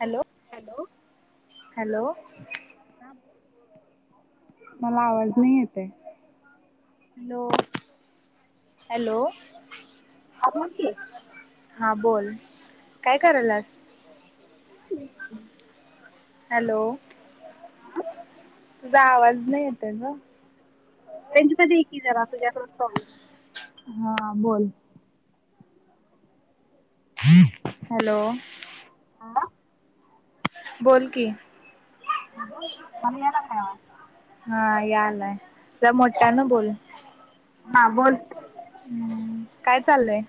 Hello. Hello. Hello. [inaudible] मला आवाज नाही येत. हॅलो. हॅलो. हा बोल की. हा बोल, काय कराल्यास. हम्म. हॅलो. हा. तुझा आवाज नाही येतये गं. रेंज मध्ये ये कि जरा तुझ्याकडचं प्रॉब्लेम हाय. हां बोल... हॅलो आ... बोल कि हा बोल मला याय लागलाय. हा यालाय जरा मोठ्यान बोल. हा बोल हम्म काय चाललंय??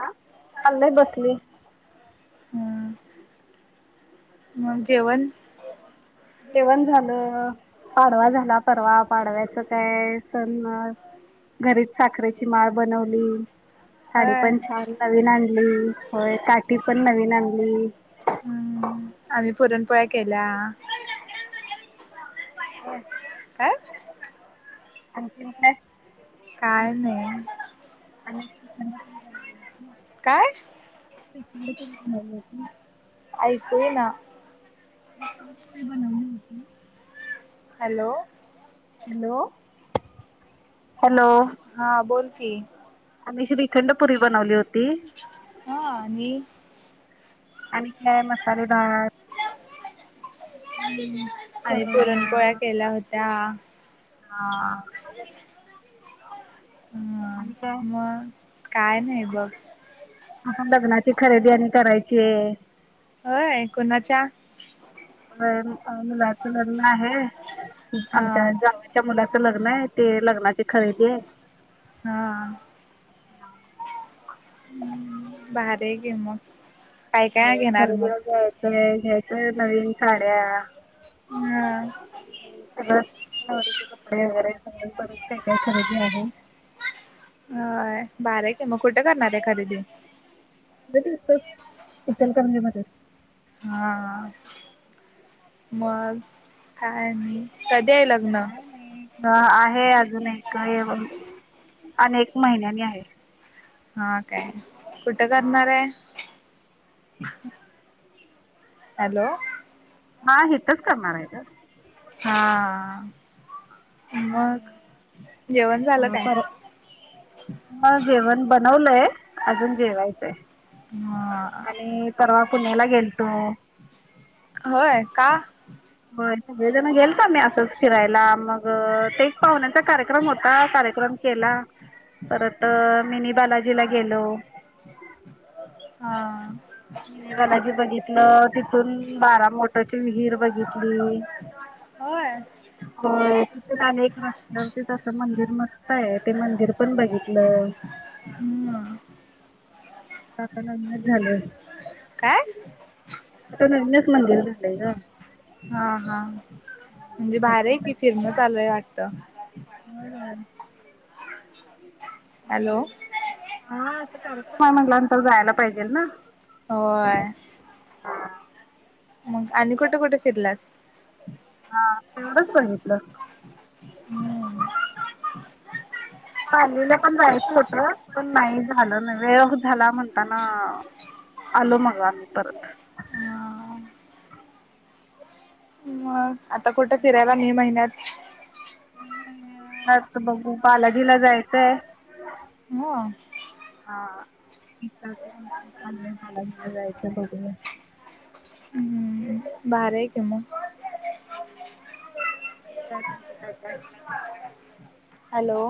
आ चालंय बसले. हम्म... मग जेवण?? जेवण झालं. पाडवा झाला परवा पाडव्याच काय सण घरीच साखरेची माळ बनवली. होय साडी पण छान नवीन आणली. होय काठी पण नवीन आणली. हम्म आम्ही पुरणपोळ्या केल्या. होय.. काय??? आणखीन काय? काय नाही... आणि [unintelligible] काय? [unintelligible] ऐकू ईना. [unintelligible] हॅलो.. हॅलो.. हॅलो.. हां बोल की. आम्ही श्रीखंड पुरी बनवली होती. हां आणि?? आणि काय मसाले भात हम्म आम्ही कुरड्या पुरणपोळ्या केल्या होत्या. हा. ह आणि काय मग काय नाही बघ. आता लग्नाची खरेदी आणि करायचीये. होय कुणाच्या? व्हय अ मुलाचं लग्न आहे हा आमच्या जाव च्या मुलाचं लग्न आहे ते लग्नाची खरेदी हाय. हा हा.. भारी हाय कि मग काय काय घेणार मग? [unintelligible] घ्यायच्यात नवीन साड्या. हा सगळचं नवरीचे कपडे वगैरे सगळ बरच काय काय खरेदी आहे.. व्हय भारी आहे की मग कुठं करणार हाय खरेदी? खरेदी इथंच इचलकरंजी मध्येचं. हां. मग काय आणि? कधी आहे लग्न? काय आहे आजून एक आणि एक महिन्यानी आहे. हा काय? कुठ करणार आहे? हॅलो! हा हितच करणार आहे गं. हा. मग आणि जेवण झालं अ काय? पर [unintelligible] जेवण बनवलंय, आजून जेवायचं आहे. हा. नी परवा पुण्याला गेलतो. होय? का? व्हय. सगळेजण गेलतो आम्ही आसच फिरायला. मग ते एक पाहुण्यांचा कार्यक्रम होता. कार्यक्रम केला, परत मिनी बालाजीला गेलो. हं. मिनी बालाजी बघितलो, तिथून बारा मोटाची विहीर बघितली. होय होय. तिथं आणिक रस्त्यावरतींच आस मंदिर मस्त आहे ते मंदिर पण बघितलं. हं. तिथं आता नवीनच झालय. काय आता नवीनच मंदिर झालय गं. हा हा म्हणजे भारी आहे की. फिरणं चालू आहे वाटतं? होय होय. हॅलो, हा अस कार्यक्रम आहे म्हनल्यानंतर जायला पाहिजेल ना. होय. मग आणि कुठं कुठ फिरलास? हां. तेवढच बघितलं. हम्म पालीला पण जायचं होत. पण नाही झालं ना. वेळ झाला म्हणता ना. आलो मग आम्ही परत. हा मग आता कुठं फिरायला मे महिन्यात? मे महिन्यात बघू बालाजीला जायचंय. हां? हा. [unintelligible] चालय बालाजीला जायचं बघूया. बारा एक मग? काय तुमचं काय काय? हॅलो,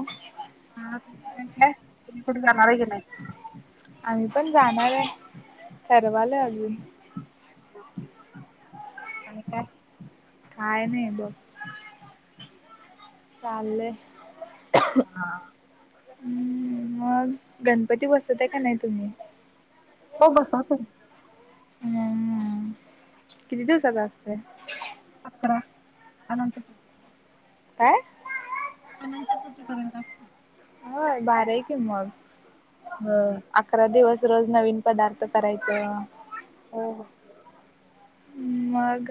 हा तुमच काय काय? तुम्ही कुठे जाणार की नाही? आम्ही पण जाणार आहे. ठरवालोय अजून. [unintelligible] आणि काय? काय नाही बघ. चाल्लय. हा. हम्म मग गणपती बसवता का नाही तुम्ही? हो बसतो ना. हम्म किती दिवसाचा असतोय? अकरा, अनंतचतुर्थी काय? आनंतचतुर्थी पर्यंत असतो. होय भारी हाय की मग. [unintelligible] अकरा दिवस रोज नवीन पदार्थ करायच हो [unintelligible] मग?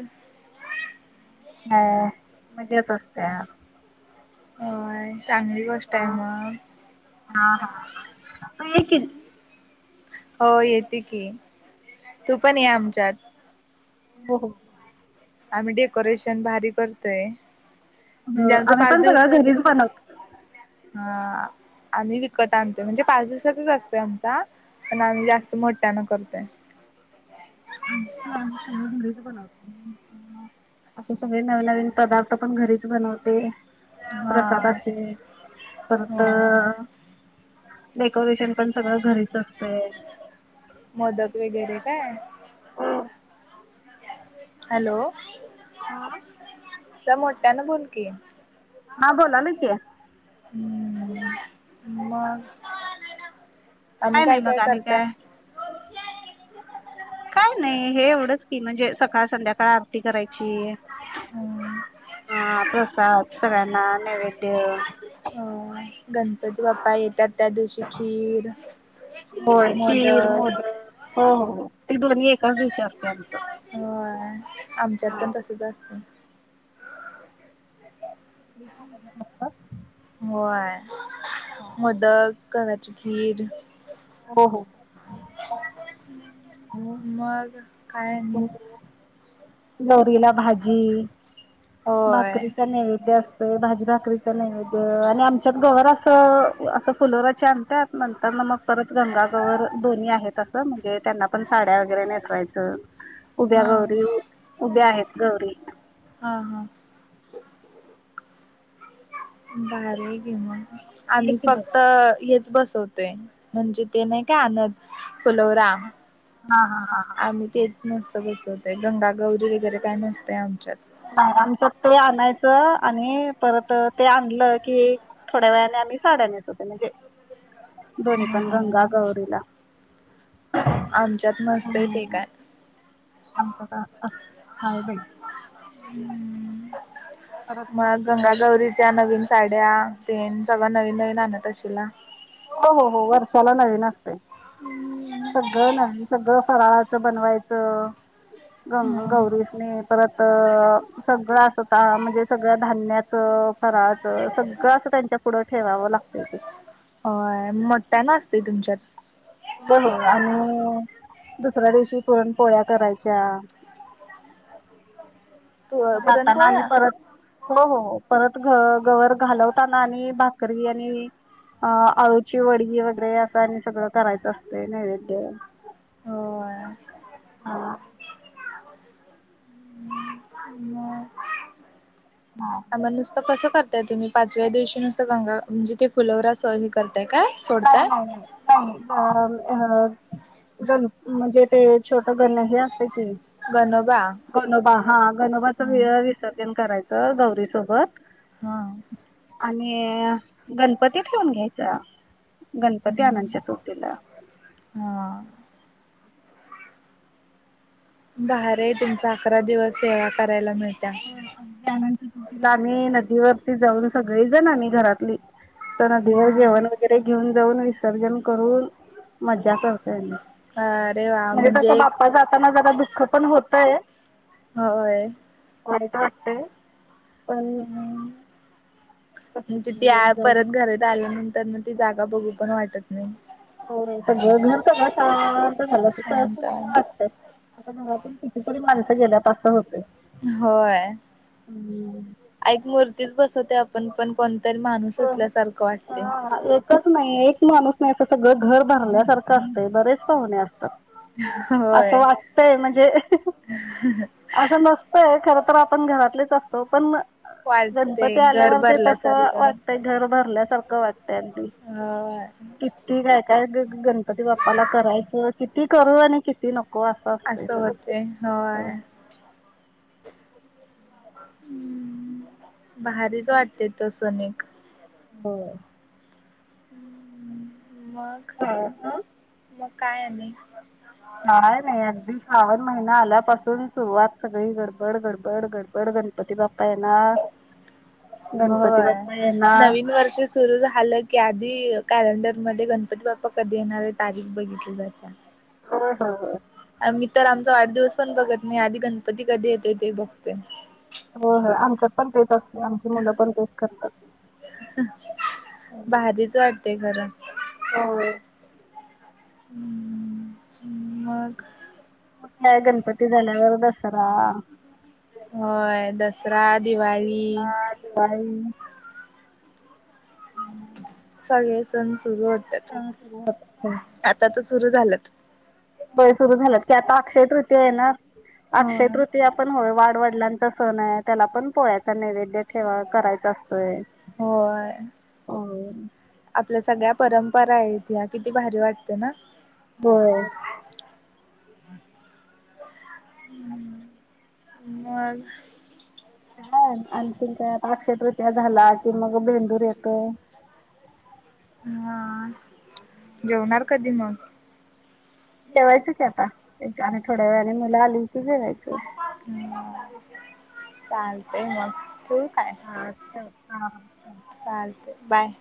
ह मजेत असत्या. होय चांगली गोष्ट हा आहे मग हा हा, तू ये की हो येते की, तू पण ये आमच्यात. हो हो. आम्ही डेकोरेशन भारी करतोय, म्हणजे हो आमच आम्ही पाच पण सगळं दिवसच घरीच बनवतो. हा आम्ही विकत आणतोय, म्हणजे पाच दिवसाचच असतोय आमचा पण आम्ही जास्त मोट्यान करतोय. आमच आम्ही सगळ घरीच बनवतो. असे सगळे नव नवीन पदार्थ पण घरीच बनवते हा प्रसादाचे, परत होय डेकोरेशन पण सगळं घरीच असतय. मोदक वगैरे काय? हॅलो. हां. त्या मोठ्या न बोल की. हा बोलालो की. हम्म, मग? आणी काय नाही मग काय-काय आणि करताय? काय काय नाही हे एवढंच की म्हणजे सकाळ, संध्याकाळ आरती करायची हम्म. हा प्रसाद सगळ्यांना, नैवेद्य अ गणपती बाप्पा येत्यात त्या दिवशी खीर होय खीर, मोदक हो-हो हो ते दोन्ही एकाच दिवशी असते आमचं. होयं आमच्यात हा पण तसच असतय. [inaudible] होय, मोदक, गव्हाची खीर हो हो. मग काय आणी? आणि गौरीला भाजी, होय भाकरीचा नैवेद्य असतो. होय भाजी, भाकरीचा नैवेद्य. आणि आमच्यात गवर असं-असं फुलोऱ्याची आणत्यात नंतर न म परत गंगा गवर दोन्ही आहेत अस म्हणजे त्यांना पण साड्या वगैरे नेसवायचं उभ्या हा गौरी उभ्या आहेत गौरी. हां हां. भारी आहे की मग, आम्ही फक्त बघायला हेच बसवतो. म्हणजे ते नाही काय आणत फुलोरा हा हा हा आम तेच नुसतं बसवतय, गंगा-गौरी वगैरे काय नसतय आमच्यात नाही आमच्यात ते आणायचं आणि परत ते आणलं की थोड्या वेळाने आम्ही साड्या नेसवतो, म्हणजे दोन्ही पण हम्म गंगा-गौरीला. आमच्यात नस्तयं ते काय. आमच का अस, हाय बाई हम्म, परत मग दुसऱ्या दिवशी गंगा-गौरीच्या नवीन साड्या तेन सगळं नवीन-नवीन आणत अशिला? हो हो, हो वर्षाला नवीन असतय सगळं नवीन, सगळं फराळाच बनवायच हम्म गंगा-गौरीसनीं परत अ सगळ अस आ, म्हणजे सगळ्या धान्याच, फराळाच सगळं अस त्यांच्या पुढं ठेवाव लागतय ते. व्हयं मोठ्ठ्यान असतय तुमच्यात होय, आणि दुसऱ्या दिवशी पुरण पोळ्या करायच्या. पु जाताना आणि पुरणपोळ्या परत हो हो हो, परत घ गवर घालवताना आणि भाकरी आणि अ अळूची वडी वगैरे, असं आणि सगळं करायचं असतय नैवेद्य. होय. हां. म [inaudible] नाय. मग नुसत कस करताय तुम्ही पाचव्या दिवशी नुसत, गंगा म्हणजे ते फुलवरा सह हे करताय काय? नाही सोडताय नाही नाही अ गणप म्हणजे ते छोट गण हे असतय गनोबा गनोबा, हा गनोबाच वेगळ विसर्जन करायचं गौरी सोबत हा आणि गणपती ठेवून घ्यायचा. गणपती आनंत हम्म चतुर्थीला. हा भारी हाय, तुमच अकरा दिवस सेवा करायला मिळत्या. अगदी अनंत चतुर्थीला आम्ही नदीवरती जाऊन सगळी जण आम्ही घरातली त हा नदीवर जेवण व वगैरे घेऊन जाऊन विसर्जन करून, मज्जा करतोय आम्ही. अरे वा म्हणजे तसं, बाप्पा जाताना जरा दुःख पण होतय. होय वाईट वाटतय पण कसं म्हणजे ती आ सगळेजण जाऊन परत घरात आल्यानंतर म ती जागा बघू पण वाटत नाही. होय सगळं घर सगळं शांत झालं अस शांत सुन्न वाटतय आता घरातून कितीतरी माणसं गेल्यात अस होतय. होय, एक मूर्तीच बसवतेय आप पण, पण कोणतरी माणूस असल्यासारखं वाटतय. हा एकच नाही, एक माणूस नाही अस सगळ घर भरल्यासारखं असतय, बरेच पाहुणे असतात. असं होय वाटतय म्हणजे, अस नस तय खर तर आपण घरातलेच असतो, पण वाटते गणपती घर आल्यावर ते तस भरल्यासारखं वाट तय, घर भरल्यासारख वाटतय अगदी. होय किती काय काय गणपती बाप्पाला करायच किती करू आणि किती नको अस असस् असं स होते हो होय [inaudible] आणखीन भारीच वाटतोय तो सनिक हो मग मग काय आणि हा हाय ना एक दिश श्रावण महिना आल्यापासून सुरुवात सगळी गडबड गडबड गडबड गणपती बाप्पा येणार गणपती होय बाप्पा येणार नवीन वर्ष सुरू झाल की आधी कॅलेंडरमध्ये गणपती बाप्पा कधी येणारये तारीख बघितली जाते. होय होय होय. आम्ही त आमचा वाढदिवस पण बघत नाही आधी गणपती कधी येतोय ते बघतोय. हो हो आमच्यात पण तेच असते आमची मुल पण तेच करतात. भारीच वाटते खर हो हम्म मग मग काय गणपती झाल्यावर दसरा होय दसरा दिवाळी हा दिवाळी सगळे सण सुरू होत्यात ह सुर होत आता तर सुरू झाल बय सूरु झाल की आता अक्षय तृतीया येनार हो. अक्षय तृतीया पण होय वाढ वढलांच सण आहे त्याला पण पोळ्याचा नैवेद्य ठेवा करायच असतोय. होय होय. आपल्या सगळ्या परंपरा ये इथल्या किती भारी वाटते ना. बर ह [unintelligible] हम्म मग आणखीन काय आता अक्षयतृतीया झाला की मग भेंदूर येतो. हा आम्म जेवणार कधी मग? जेवायचच आता एक आणि थोड्या वेळाने मुला आली की जेवायच. हम्म चालतय मग ठेवू काय? आस हा चालतय हा बाय